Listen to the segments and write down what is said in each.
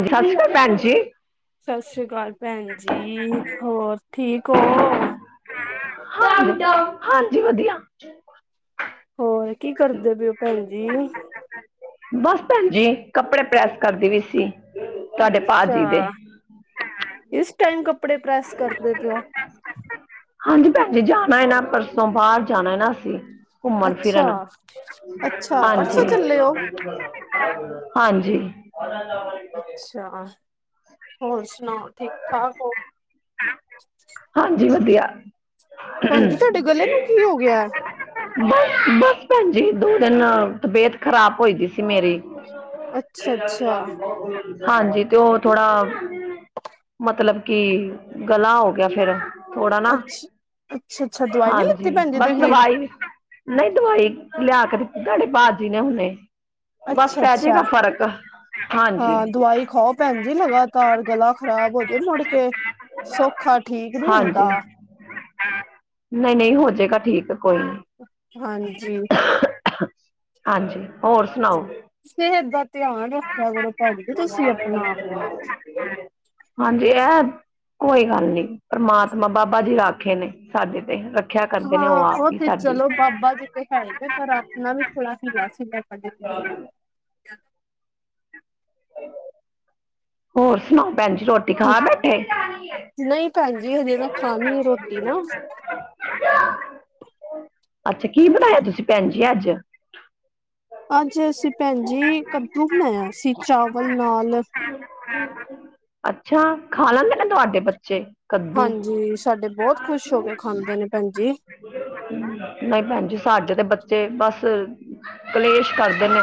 ਆਦਰਸ਼ ਭੈਣ ਜੀ। ਸਤਿ ਸ੍ਰੀ ਅਕਾਲ ਭੈਣ ਜੀ, ਹੋਰ ਠੀਕ ਹੋ? ਹਾ, ਹਾਂਜੀ ਵਧੀਆ। ਹੋਰ ਕੀ ਕਰਦੇ ਪਓ ਭੈਣ ਜੀ। ਬਸ ਭੈਣ ਜੀ, ਕੱਪੜੇ ਪ੍ਰੈਸ ਕਰਦੀ ਪੀ ਸੀ। ਤੁਹਾਡੇ ਭਾਜੀ ਦੇ ਅੱਛਾ‌ਇਸ ਟਾਈਮ ਕੱਪੜੇ ਪ੍ਰੈਸ ਕਰਦੇ ਪਿਓ। ਹਾਂਜੀ ਭੈਣ ਜ ਜਾਣਾ ਹੈ ਨਾ ਪਰਸੋਂ। ਬਾਹਰ ਜਾਣਾ ਹੈ ਨਾ ਅਸੀਂ। ਘੁੰਮਣ ਅੱਛਾ ਫਿਰਨ ਅੱਛਾ ਪਰਸੋਂ ਹਾਂਜੀ। ਚੱਲੇ ਹੋ ਹਾਂਜੀ। ਅੱਛਾ। ਹੋਰ ਸੁਣਾ ਠੀਕ ਠਾਕ ਹੋ? ਹਾਂਜੀ ਵਧੀਆ। ਭੈਣ ਜੀ, ਤੁਹਾਡੇ ਗਲੇ ਨੂੰ ਕੀ ਹੋ ਗਿਆ? ਬਸ- ਬਸ ਭੈਣ ਜੀ, ਦੋ ਦਿਨ ਤਬੀਅਤ ਖ਼ਰਾਬ ਹੋਈ ਦੀ ਸੀ ਮੇਰੀ। ਅੱਛਾ ਨਹੀਂ ਯਾਰ ਅੱਛਾ ਸ਼ਾਮ ਨੂੰ ਬਹੁਤ। ਹਾਂਜੀ ਤੇ ਉਹ ਥੋੜਾ, ਮਤਲਬ ਕਿ ਗਲਾ ਹੋ ਗਿਆ ਫੇਰ। ਥੋੜ੍ਹਾ ਨਾ। ਅੱਛ ਅੱਛਾ ਅੱਛਾ ਦਵਾਈ ਨੀ ਲਿੱਤੀ ਹਾਂਜੀ ਭੈਣ ਜੀ ਬਸ ਤੁਸੀਂ ਦਵਾਈ ਨਹੀਂ ਦਵਾਈ ਲਿਆ ਕੇ ਦਿੱਤੀ। ਤੁਹਾਡੇ ਭਾਜੀ ਨੇ ਹੁਣੇ। ਬਸ ਅੱਛਾ ਪੈ ਅੱਛਾ ਜੇਗਾ ਫ਼ਰਕ ਹਾਂਜੀ। ਹਾਂ ਦਵਾਈ ਖਾਓ ਭੈਣ ਜੀ ਲਗਾਤਾਰ ਗਲਾ ਖ਼ਰਾਬ ਹੋ ਜੇ ਮੁੜ ਕੇ, ਸੌਖਾ ਠੀਕ ਨੀ ਹੁੰਦਾ। ਨਹੀਂ-ਨਹੀਂ ਹੋਜੇਗਾ ਠੀਕ ਕੋਈ ਨੀ। ਹਾਂਜੀ। ਹਾਂਜੀ ਹੋਰ ਸੁਣਾਓ। ਸਿਹਤ ਦਾ ਧਿਆਨ ਰੱਖਿਆ ਕਰੋ। ਭੈਣ ਜੀ ਤੁਸੀਂ ਆਪਣਾ। ਹਾਂਜੀ ਆਹ। ਕੋਈ ਗੱਲ ਨੀ, ਪਰਮਾਤਮਾ ਬਾਬਾ ਜੀ ਰਾਖੇ ਨੇ ਸਾਡੇ ਤੇ ਰੱਖਿਆ ਕਰਦੇ ਹਾਂ। ਨੇ ਆਪ ਉਹ ਹੀ ਤੇ ਸਾਡੀ ਚਲੋ ਬਾਬਾ ਜੀ ਤੇ ਹੈ ਨੇ, ਪਰ ਆਪਣਾ ਵੀ ਥੋੜ੍ਹਾ ਹੀਲਾ ਵਸੀਲਾ ਕਰੀਏ। [unintelligible] [inaudible] ਹੋਰ ਸੁਣਾਓ ਭੈਣ ਜ ਰੋਟ ਨਹੀਂ ਭੈਣਜੀ ਹਜੇ ਮੈਂ ਖਾਣੀ ਆ ਰੋਟੀ ਨਾ। ਅੱਛਾ ਕੀ ਬਣਾਇਆ ਤੁਸੀਂ ਭੈਣ ਜੀ ਅੱਜ? ਅੱਜ ਅਸੀਂ ਭੈਣ ਜੀ, ਕੱਦੂ ਬਣਾਇਆ ਸੀ ਚਾਵਲ ਨਾਲ। ਅੱਛਾ ਖਾ ਲੈਂਦੇ ਨੇ ਤੁਹਾਡੇ ਬੱਚੇ? ਕੱਦੂ ਹਾਂਜੀ ਸਾਡੇ ਬਹੁਤ ਖੁਸ਼ ਹੋ ਕੇ ਖਾਂਦੇ ਨੇ ਭੈਣ ਜੀ। ਨਹੀਂ ਭੈਣ ਜੀ, ਸਾਡੇ ਤੇ ਬੱਚੇ ਬਸ ਕਲੇਸ਼। ਕਰਦੇ ਨੇ।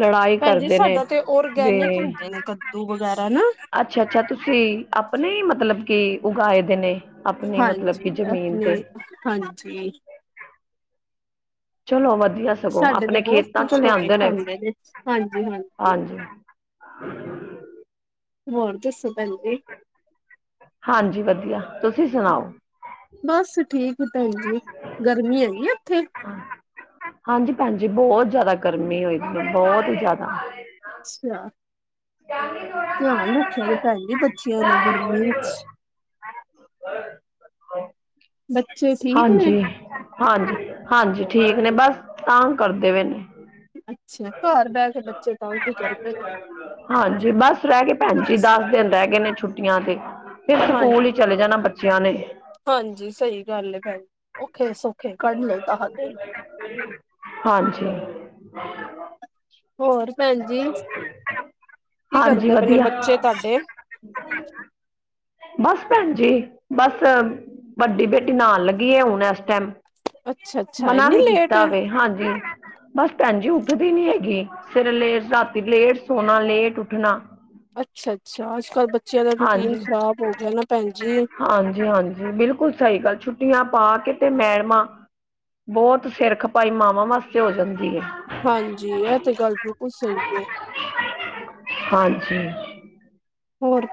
ਲੜਾਈ ਭੈਜੀ ਕਰਦੇ ਨੇ ਸਾਡਾ ਤੇ ਵੀ ਔਰਗੈਨਿਕ ਹੁੰਦੇ ਨੇ ਕੱਦੂ ਵਗੈਰਾ ਨਾ। ਅੱਛਾ-ਅੱਛਾ ਤੁਸੀਂ ਆਪਣੇ ਹੀ ਮਤਲਬ ਕਿ ਉਗਾਏ ਦੇ ਨੇ। ਆਪਣੀ ਮਤਲਬ ਹਾਂਜੀ ਕਿ ਜ਼ਮੀਨ ਤੇ ਹਾਂਜੀ। ਚਲੋ ਵਧੀਆ ਸਗੋਂ ਸਾਡੇ ਤੇ ਆਪਣੇ ਬਹੁਤ ਖੇਤਾਂ ਚੋਂ ਖੁਸ਼ ਹੋ ਕੇ ਲਿਆਂਦੇ ਨੇ ਖਾਂਦੇ ਹਾਂਜੀ ਹਾਂਜੀ। ਹ [unintelligible] ਹੋਰ ਦੱਸੋ, ਭੈਣ ਜੀ? ਹਾਂਜੀ ਵਧੀਆ ਤੁਸੀ ਸੁਣਾਓ? ਬਸ ਠੀਕ ਭੈਣ ਜੀ, ਗਰਮੀ ਹੈਗੀ ਆ ਉਥੇ? ਹਾਂਜੀ ਭੈਣਜੀ, ਬਹੁਤ ਜ਼ਿਆਦਾ ਗਰਮੀ ਹੋਈ ਪਈ ਬਹੁਤ ਹੀ ਜ਼ਿਆਦਾ। ਅੱਛਾ। ਧਿਆਨ ਰੱਖਿਆ ਜੇ ਭੈਜੀ ਬੱਚਿਆਂ ਦਾ ਗਰਮੀ ਵਿਚ। ਬੱਚੇ ਠੀਕ ਨੇ ਹਾਂਜੀ- ਹਾਂਜੀ- ਹਾਂਜੀ ਠੀਕ ਨੇ ਬਸ ਤੰਗ ਕਰਦੇ ਪਏ ਨੇ। ਅਛਾ ਘਰ ਬਹਿ ਕੇ ਬੱਚੇ ਤਾਂ ਉਹ ਕੀ ਕਰਦੇ ਨੇ। ਹਾਂਜੀ ਬਸ ਰਹਿ ਗਏ ਭੈਣ ਜੀ ਦਸ ਦਿਨ ਰਹਿ ਗਏ ਨੇ ਛੁੱਟੀਆਂ ਦੇ ਫਿਰ ਹਾਂ ਸਕੂਲ ਹੀ। ਚਲੇ ਜਾਣਾ ਬੱਚਿਆਂ ਨੇ। ਹਾਂਜੀ ਸਹੀ ਗੱਲ ਏ ਭੈਣ ਜੀ ਔਖੇ ਸੌਖੇ ਕੱਢ ਲੋ ਦਹ ਦਿਨ। ਹਾਂਜੀ। [inaudible] ਹੋਰ ਭੈਣ ਜੀ ਕੀ ਹਾਂਜੀ ਕਰਦੇ ਪਏ ਨੇ ਵਧੀਆ ਬੱਚੇ ਤੁਹਾਡੇ? ਬਸ ਭੈਣ ਜੀ, ਬਸ ਵੱਡੀ ਬੇਟੀ ਨਹਾਉਣ ਲੱਗੀ ਹੈ ਹੁਣ ਇਸ ਟਾਈਮ। ਅੱਛਾ ਅੱਛਾ ਮਨਾ ਇੰਨੀ ਵੀ ਲੇਟ ਕੀਤਾ ਵੇ ਹਾਂਜੀ ਬਸ ਭੈਣ ਜੀ, ਉੱਠਦੀ ਨੀ ਹੈਗੀ। ਸਵੇਰੇ ਲੇਟ ਨਾਤੀ ਲੇਟ ਸੋਣਾ ਲੇਟ ਉੱਠਣਾ। ਅੱਛਾ-ਅੱਛਾ ਅੱਜ ਕੱਲ ਬੱਚਿਆਂ ਦਾ ਰੂਟੀਨ ਖ਼ਰਾਬ ਹੋ ਗਿਆ ਨਾ ਭੈਣ ਜੀ। ਹਾਂਜੀ-ਹਾਂਜੀ ਬਿਲਕੁਲ ਸਹੀ ਗੱਲ ਛੁੱਟੀਆਂ ਪਾ ਕੇਤੇ ਮੈਡਮਾਂ। ਬਹੁਤ ਸਿਰ ਖਪਾਈ ਮਾਵਾਂ ਵਾਸਤੇ ਹੋ ਜਾਂਦੀ ਹੈ। ਹਾਂਜੀ, ਇਹ ਤੇ ਗੱਲ ਬਿਲਕੁਲ ਸਹੀ ਹੈ। ਹਾਂਜੀ।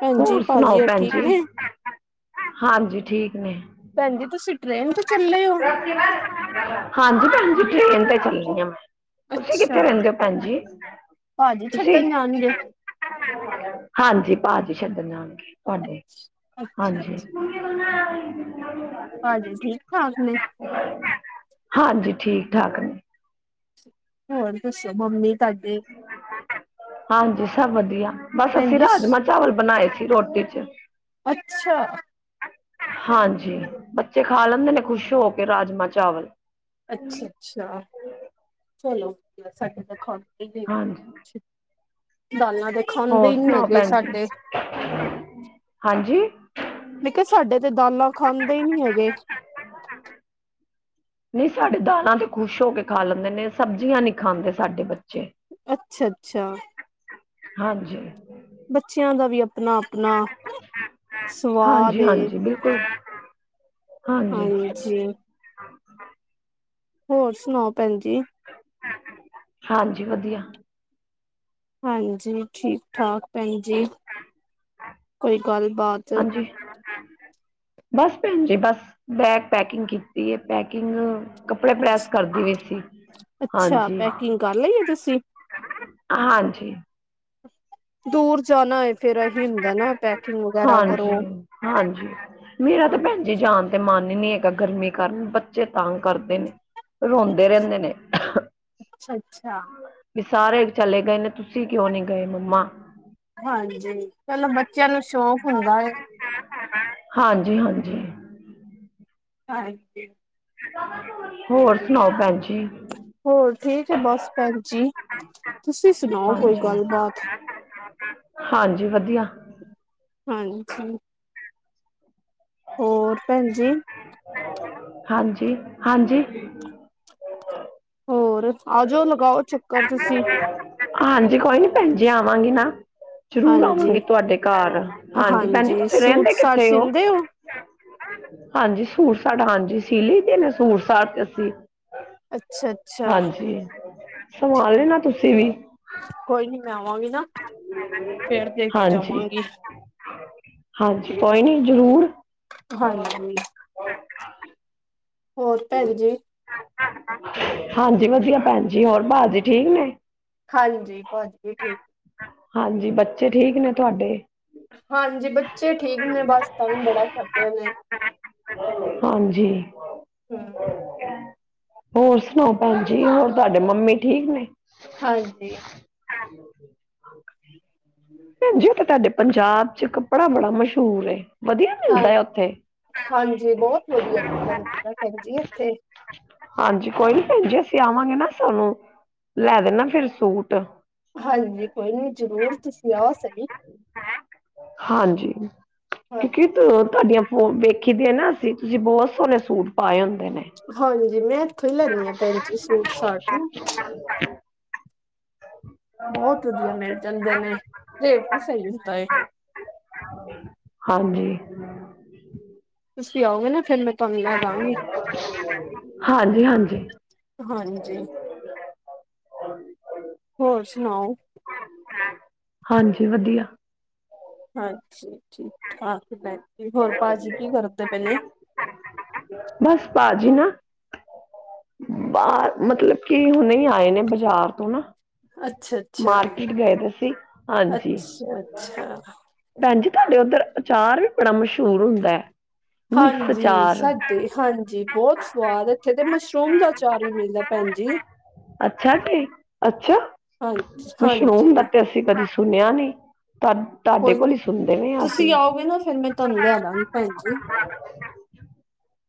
ਭੈਣ ਜੀ ਹੋਰ ਸੁਣਾਓ ਭਾਜੀ ਭੈਣ ਠੀਕ ਜੀ ਨੇ ਹਾਂਜੀ ਠੀਕ ਨੇ। ਭੈਣ ਜੀ, ਤੁਸੀਂ ਟਰੇਨ ਤੇ ਚੱਲੇ ਹੋ? ਹਾਂਜੀ ਭੈਣ ਜੀ ਟਰੇਨ ਤੇ ਚੱਲੀ ਆ। ਤੁਸੀ ਅੱਛਾ ਕਿੱਥੇ ਰਹਿੰਦੇ ਹੋ ਭੈਣ ਜੀ ਭਾਜੀ ਤੁਸੀਂ? ਛੱਡਣ ਜਾਣਗੇ ਹਾਂਜੀ ਭਾਜੀ ਛੱਡਣ ਜਾਣਗੇ ਤੁਹਾਡੇ ਅੱਛਾ ਹਾਂਜੀ। ਹਮ [unintelligible] ਹਾਂਜੀ ਠੀਕ ਠਾਕ ਨੇ? ਹਾਂਜੀ ਠੀਕ ਠਾਕ ਨੇ। ਹੋਰ ਦੱਸੋ ਮੰਮੀ ਤੁਹਾਡੇ? ਹਾਂਜੀ ਸਭ ਵਧੀਆ ਬਸ ਭੈਣ ਅਸੀ ਜੀ ਰਾਜਮਾ ਚਾਵਲ ਬਣਾਏ ਸੀ ਰੋਟੀ 'ਚ। ਅੱਛਾ! ਹਾਂਜੀ ਬੱਚੇ ਖਾ ਲੈਂਦੇ ਨੇ ਖੁਸ਼ ਹੋ ਕੇ ਰਾਜਮਾਂ ਚਾਵਲ। ਅਛਾ- ਅਛਾ ਚਲੋ ਸਾਡੇ ਤੇ ਖਾਦੇ ਨਹੀ। ਹਾਂਜੀ ਦਾਲਾਂ ਤੇ ਖਾਂਦੇ ਹੋਰ ਹੀ ਨੀ ਸੁਣਾਓ ਹੈਗੇ ਭੈਣ ਜੀ ਸਾਡੇ। ਹਾਂਜੀ ਮੈਂ ਕਿਹਾ ਸਾਡੇ ਤੇ ਦਾਲਾਂ ਖਾਂਦੇ ਹੀ ਨੀ ਹੈਗੇ। ਨਹੀ ਸਾਡੇ ਦਾਲਾਂ ਤੇ ਖੁਸ਼ ਹੋ ਕੇ ਖਾ ਲੈਂਦੇ ਨੇ ਸਬਜ਼ੀਆਂ ਨਹੀ ਖਾਂਦੇ ਸਾਡੇ ਬੱਚੇ। ਅੱਛਾ -ਅੱਛਾ। ਹਾਂਜੀ- ਬੱਚਿਆਂ ਦਾ ਵੀ ਆਪਣਾ- ਆਪਣਾ ਸਵਾਦ ਹਾਂਜੀ- ਏ ਹਾਂਜੀ ਬਿਲਕੁਲ ਹਾਂਜੀ- [unintelligible] ਹੋਰ ਸੁਣਾਓ ਭੈਣ ਜੀ- ਹਾਂਜੀ ਵਧੀਆ- ਹਾਂਜੀ ਠੀਕ ਠਾਕ ਭੈਣ ਜੀ ਕੋਈ ਗੱਲ ਬਾਤ- [unintelligible] ਬਸ ਭੈਣ ਜੀ ਬਸ ਬੈਗ ਪੈਕਿੰਗ ਕੀਤੀ ਹੈ। ਪੈਕਿੰਗ ਕੱਪੜੇ ਪ੍ਰੈਸ ਅੱਛ ਕਰਦੇ ਸੀ ਅੱਛਾ ਹਾਂਜੀ। ਪੈਕਿੰਗ ਕਰ ਲਈ ਹੈ ਤੁਸੀਂ ਹਾਂਜੀ। ਦੂਰ ਜਾਣਾ ਏ। ਹਾਂਜੀ, ਕਰੋ ਹਾਂਜੀ ਮੇਰਾ ਤਾਂ ਹਾਂ ਭੈਣ- ਜਾਣ ਤੇ ਮਨ ਹੀ ਨਹੀਂ ਹੈਗਾ ਗਰਮੀ ਕਾਰਨ ਬੱਚੇ ਤੰਗ ਕਰਦੇ ਨੇ ਰੋਂਦੇ ਰਹਿੰਦੇ ਨੇ। ਅੱਛਾ, - ਅੱਛਾ। ਸਾਰੇ ਚਲੇ ਗਏ ਨੇ ਤੁਸੀਂ ਕਿਉਂ ਨੀ ਗਏ ਮੰਮਾ। ਹਾਂਜੀ ਪਹਿਲਾਂ ਬੱਚਿਆਂ ਨੂੰ ਸ਼ੌਕ ਹੁੰਦਾ ਹੈ। ਹਾਂਜੀ, ਹਾਂਜੀ। ਹਾਂਜੀ- ਹੋਰ ਸੁਣਾਓ ਭੈਣ ਜੀ। ਹੋਰ ਠੀਕ ਹੈ। ਬਸ ਭੈਣ ਜੀ ਤੁਸੀ ਸੁਣਾਓ ਕੋਈ ਹਾਂਜੀ ਗੱਲ ਬਾਤ ਹਾਂਜੀ ਵਧੀਆ ਹਾਂਜੀ- ਹੋਰ ਭੈਣ ਜੀ- ਹਾਂਜੀ- ਹਾਂਜੀ ਹੋਰ ਆਜੋ ਲਗਾਓ ਚੱਕਰ ਤੁਸੀ- ਹਾਂਜੀ ਕੋਈ ਨੀ ਭੈਣ ਜੀ ਆਵਾਂਗੀ ਨਾ ਜ਼ਰੂਰ ਹਾਂਜੀ ਆਵਾਂਗੀ ਤੁਹਾਡੇ ਘਰ ਹਾਂਜੀ ਭੈਣ ਜੀ ਤੁਸੀ ਸੂਟ ਰਹਿੰਦੇ ਸਾਟ ਕਿਥੇ ਹੋ। ਸੀਂਦੇ ਹਾਂਜੀ ਸੂਟ ਸਾਟ ਹਾਂਜੀ ਸੀਲੀ ਲਿਤੇ ਸੂਟ ਸਾਟ ਤੇ ਅਸੀਂ ਅੱਛਾ ਅੱਛਾ ਹਾਂਜੀ, ਸਲਵਾ ਲੈਣਾ ਤੁਸੀਂ ਵੀ। ਕੋਈ ਨੀ ਮੈਂ ਆਵਾਂਗੀ ਨਾ। ਫੇਰ ਦੇ ਕੇ ਹਾਂਜੀ, ਜਾਵਾਂਗੀ ਹਾਂਜੀ ਕੋਈ ਨੀ ਜ਼ਰੂਰ। ਹਾਂਜੀ। ਹੋਰ ਭੈਣ ਜੀ। ਹਾਂਜੀ ਵਧੀਆ ਭੈਣ ਜੀ ਹੋਰ ਭਾਜੀ ਠੀਕ ਨੇ। ਹਾਂਜੀ, ਭਾਜੀ ਵੀ ਠੀਕ। ਹਾਂਜੀ, ਬੱਚੇ ਠੀਕ ਨੇ ਤੁਹਾਡੇ। ਹਾਂਜੀ ਬੱਚੇ ਠੀਕ ਨੇ ਬਸ ਤੰਗ ਬੜਾ ਕਰਦੇ ਨੇ। ਹਾਂਜੀ। [unintelligible] ਹੋਰ ਸੁਣਾਓ ਭੈਣ ਜੀ ਹੋਰ ਤੁਹਾਡੇ ਮੰਮੀ ਠੀਕ ਨੇ। ਹਾਂਜੀ। ਹਾਂ। [inaudible] ਭੈਣ ਜੀ ਉਹ ਤਾਂ ਤੁਹਾਡੇ ਪੰਜਾਬ ਚ ਕੱਪੜਾ ਬੜਾ ਮਸ਼ਹੂਰ ਏ। ਵਧੀਆ ਹਾਂ, ਮਿਲਦਾ ਹੈ ਉੱਥੇ ਹਾਂਜੀ ਬਹੁਤ ਵਧੀਆ ਕੱਪੜਾ ਮਿਲਦਾ ਹੈ ਭੈਣ ਜੀ ਇੱਥੇ। ਹਾਂਜੀ ਕੋਈ ਨੀ ਭੈਣ ਜੀ ਅਸੀਂ ਆਵਾਂਗੇ ਨਾ ਸਾਨੂੰ ਲੈ ਦੇਣਾ ਫਿਰ ਸੂਟ। ਹਾਂਜੀ, ਕੋਈ ਨੀ ਜਰੂਰ ਤੁਸੀਂ ਆਓ ਸਹੀ। ਹਾਂਜੀ, ਹਾਂ ਕਿਉਂਕਿ ਤੁਹਾਡੀਆਂ- ਵੇਖੀ ਦੇ ਹੈ ਨਾ ਅਸੀਂ, ਤੁਸੀਂ ਬਹੁਤ ਸੋਹਣੇ ਸੂਟ ਪਾਏ ਹੁੰਦੇ ਨੇ। ਹਾਂਜੀ, ਮੈਂ ਇੱਥੋਂ ਹੀ ਲੈਦੀ ਹਾਂ, ਭੈਣ ਜੀ ਸੂਟ ਸਾਟ ਵੀ। [unintelligible] ਬਹੁਤ ਵਧੀਆ ਮਿਲ ਜਾਂਦੇ ਨੇ, ਰੇਟ ਵੀ ਸਹੀ ਹੁੰਦਾ ਹੈ। ਹਾਂਜੀ। ਤੁਸੀਂ ਆਓਗੇ ਨਾ, ਫਿਰ ਮੈਂ ਤੁਹਾਨੂੰ ਲੈ ਜਾਵਾਂਗੀ। ਹਾਂਜੀ ਹਾਂਜੀ ਹਾਂਜੀ। ਹੋਰ ਸੁਣਾਓ। ਹਾਂਜੀ ਵਧੀਆ- ਹਾਂਜੀ ਠੀਕ ਠਾਕ ਭੈਣ ਜੀ, ਹੋਰ ਭਾਜੀ ਕੀ ਕਰਦੇ ਪਏ ਨੇ ਬਸ ਭਾਜੀ ਨਾ- ਬਾਹਰ, ਮਤਲਬ ਕਿ ਹੁਣੇ ਆਏ ਨੇ ਬਜ਼ਾਰ ਤੋਂ ਨਾ ਅਛਾ- ਮਾਰਕੀਟ ਗਏ ਦੇ ਸੀ, ਹਾਂਜੀ- ਅੱਛਾ ਅੱਛਾ ਭੈਣ ਜੀ ਤੁਹਾਡੇ ਉਧਰ ਅਚਾਰ ਵੀ ਬੜਾ ਮਸ਼ਹੂਰ ਹੁੰਦਾ ਹੈ, ਮਿਕਸ ਅਚਾਰ ਤੇ ਹਾਂਜੀ ਬਹੁਤ ਸਵਾਦ, ਇਥੇ ਤੇ ਮਸ਼ਰੂਮ ਦਾ ਅਚਾਰ ਵੀ ਮਿਲਦਾ ਭੈਣ ਜੀ ਅਛਾ ਤੇ ਅਛਾ, ਹਾਂਜੀ ਮਸ਼ਰੂਮ ਦਾ ਹਾਂਜੀ ਤੇ ਅਸੀ ਕਦੇ ਸੁਣਿਆ ਨਹੀ ਤੂ ਤੁਹਾਡੇ ਕੋਈ ਕੋਲ ਹੀ ਨੀ ਸੁਣਦੇ ਨੇ, ਆਕੇ ਤੁਸੀਂ ਆਓਗੇ ਨਾ ਫਿਰ ਮੈਂ ਤੁਹਾਨੂੰ ਲਿਆ ਦਾਂਗੀ ਭੈਣ ਜੀ।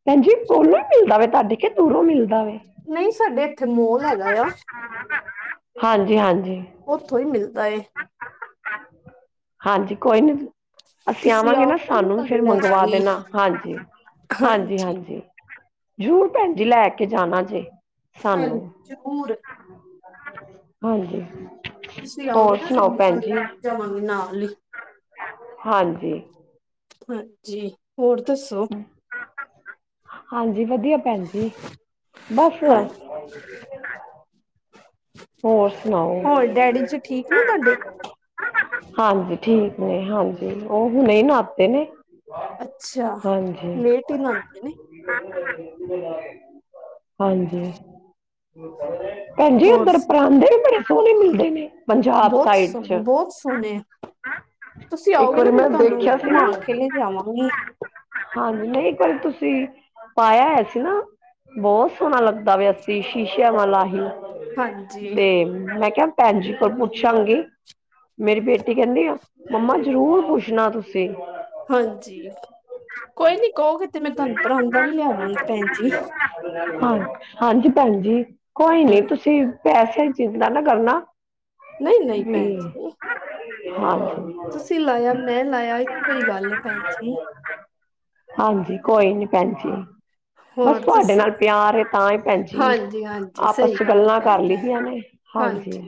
ਭੈਣ ਜੀ ਕੋਲੋ ਮਿਲਦਾ ਵੇ ਤੁਹਾਡੇ, ਕੇ ਦੂਰੋਂ ਮਿਲਦਾ ਵੇ। ਨਹੀਂ ਸਾਡੇ- ਇਥੇ ਮੋਲ ਹੈਗਾ ਆ, ਹਾਂਜੀ ਹਾਂਜੀ ਉੱਥੋਂ ਹੀ ਮਿਲਦਾ ਏ। ਹਾਂਜੀ ਕੋਈ ਨੀ, ਅਸੀਂ ਤੁਸੀਂ ਆਵਾਂਗੇ ਨਾ ਆਓਗੇ ਮੈਂ ਸਾਨੂੰ ਤੁਹਾਨੂੰ ਫਿਰ ਲੈ ਮੰਗਵਾ ਜਾਵਾਂਗੀ ਦੇਣਾ, ਹਾਂਜੀ। ਹਾਂਜੀ, ਹਾਂਜੀ ਜ਼ਰੂਰ ਭੈਣ ਜੀ ਲੈ ਕੇ ਜਾਣਾ ਜੇ ਹਾਂਜੀ ਸਾਨੂੰ। ਜ਼ਰੂਰ। ਹਾਂਜੀ। ਤੁਸੀਂ ਆਓਗੇ ਹੋਰ ਨਾ, ਫਿਰ ਸੁਣਾਓ ਮੈਂ ਭੈਣ ਤੁਹਾਨੂੰ ਜੀ ਲੈ ਕੇ ਜਾਵਾਂਗੀ ਨਾਲ ਈ। ਹਾਂਜੀ। ਹਾਂਜੀ, ਹੋਰ ਦੱਸੋ। ਹਾਂਜੀ ਵਧੀਆ ਭੈਣ ਜੀ, ਬਸ- [inaudible] ਹੋਰ ਸੁਣਾਓ। ਹੋਰ ਡੈਡੀ ਜੀ ਠੀਕ ਨੇ ਤੁਹਾਡੇ ਹਾਂਜੀ ਠੀਕ ਨੇ ਹਾਂਜੀ, ਉਹ ਹੁਣੇ ਨਹਾਤੇ ਨੇ- ਅੱਛਾ ਹਾਂਜੀ- ਲੇਟ ਹੀ ਨਾਂਦੇ ਨੇ ਹਾਂਜੀ- ਭੈਣ ਜੀ ਉਧਰ- ਬ ਪੰਜਾਬ ਸਾਈਡ ਚ ਬਹੁਤ ਸੋਣੇ ਐ ਤੁਸੀ ਇੱਕ ਆਓਗੇ ਨਾ, ਵਾਰੀ ਮੈ ਮੈਂ ਤੁਹਾਨੂੰ ਦੇਖਿਆ ਸੀ ਨਾ ਘੁਮਾ ਕੇ ਲੈ ਜਾਵਾਂਗੀ ਹਾਂਜੀ ਨਹੀ ਇਕ ਵਾਰੀ ਤੁਸੀ, ਪਾਇਆ ਹੈ ਸੀ ਨਾ- ਬਹੁਤ ਸੋਹਣਾ ਲੱਗਦਾ ਪੇਆ ਸੀ, ਸ਼ੀਸ਼ੇਆਂ ਵਾਲਾ ਹੀ- ਹਾਂਜੀ। ਤੇ ਮੈਂ ਕਿਹਾ, ਭੈਣ ਜੀ ਕੋਲ ਪੁਛਾਂਗੀ- ਮੇਰੀ ਬੇਟੀ ਕਹਿਦੀ ਐ, ਮੰਮਾ ਜ਼ਰੂਰ ਪੁਛਣਾ ਤੁਸੀ ਹਾਂਜੀ ਕੋਈ ਨੀ ਕਹੋਗੇ, ਤੇ ਮੈ ਤੁਹਾਨੂੰ ਪ ਪਰਾਨਦਾ ਵੀ ਲਿਆ ਦਵਾਂਗੀ ਭੈਣ ਜੀ ਹਾਂ ਹਾਂਜੀ ਭੈਣ ਜੀ, ਕੋਈ ਨੀ ਹਾਂ, ਤੁਸੀ- ਪੈਸੇ ਦੀ ਚਿੰਤਾ ਨਾ ਕਰਨਾ ਨਹੀਂ-ਨਹੀਂ ਜੀ ਹਾਂਜੀ ਤੁਸੀ ਲਾਇਆ ਮੈ ਲਾਇਆ, ਈਕੋ ਗੱਲ ਹੈ ਭੈਣ ਜੀ [inaudible] ਹਾਂਜੀ ਕੋਈ ਨੀ ਭੈਣ ਜੀ ਬਸ ਹੋਰ ਤੁਹਾਡੇ ਦੱਸੋ? ਨਾਲ ਪਿਆਰ ਐ, ਤਾਂ ਹੀ ਭੈਣ ਜੀ, ਹਾਂਜੀ-ਹਾਂਜੀ ਆਪਸ ਸਹੀ 'ਚ ਗੱਲ ਗੱਲਾਂ ਕਰ ਭੈਣ ਜੀ ਦੀਆਂ ਨੇ, ਹਾਂਜੀ-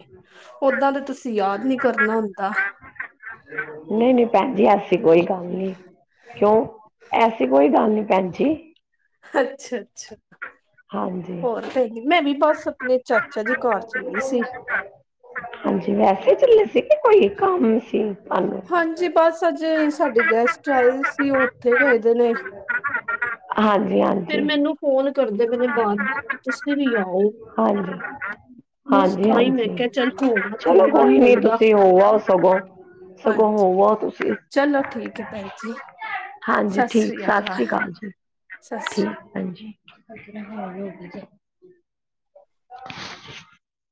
ਓਦਾਂ ਤੇ ਤੁਸੀਂ ਯਾਦ ਨੀ ਕਰਨਾ ਹੁੰਦਾ। ਨਹੀ- ਨਹੀ ਭੈਣ ਜੀ, ਐਸੀ ਕੋਈ ਗੱਲ ਨੀ ਕਿਉ? ਐਸੀ ਕੋਈ ਗੱਲ ਨੀ, ਭੈਣ ਜੀ। ਅੱਛਾ -ਅੱਛਾ, ਹਾਂਜੀ ਹੋਰ, ਮੈ ਵੀ ਬਸ ਅਪਨੇ ਚਾਚਾ ਜੀ, ਘਰ ਚੱਲੀ ਸੀ। ਹਾਂਜੀ, ਵੈਸੇ ਚੱਲੇ ਸੀ, ਕਿ ਕੋਈ ਕੰਮ ਸੀ? ਤੁਹਾਨੂੰ ਹਾਂਜੀ ਬਸ, ਅੱਜ ਸਾਡੇ ਗੈਸਟ ਆਏ ਸੀ, ਉਹ ਉਥੇ ਗਏ ਦੇ ਨੇ। ਹਾਂਜੀ- ਹਾਂਜੀ। ਫੇਰ, ਮੈਨੂੰ ਫੋਨ ਕਰਦੇ ਪਏ ਨੇ, ਬਾਰ- ਬਾਰ ਕਿ ਤੁਸੀਂ ਵੀ ਆਓ। ਬਸ ਤਾਂ ਹੀ ਮੈਂ ਹਾਂਜੀ-ਹਾਂਜੀ, ਕਿਹਾ ਚੱਲ ਹੋਵਾਂ ਚਲੋ ਚੰਗਾ ਕੋਈ ਨੀ, ਲੱਗਦਾ। ਤੁਸੀਂ ਹੋ ਆਓ ਸਗੋਂ। ਸਗੋਂ, ਹੋ ਹਾਂਜੀ ਆਉ ਤੁਸੀਂ, ਚਲੋ ਠੀਕ ਹੈ ਭੈਣ ਜੀ ਹਾਂਜੀ ਠੀਕ ਸਤਿ ਸ੍ਰੀ ਅਕਾਲ। ਹਾਂਜੀ, ਸਤਿ ਸ੍ਰੀ ਠੀਕ ਐ, ਭੈਣ ਜੀ। [inaudible]